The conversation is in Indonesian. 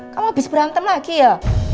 kamu habis berantem lagi ya